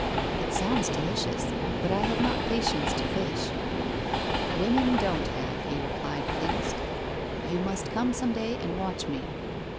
'' It sounds delicious. But I have not patience to fish.' ' Women don't have,' he replied, pleased. ' You must come some day and watch me.'